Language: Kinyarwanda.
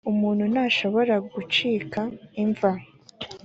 umuntu ntashobora gucika imva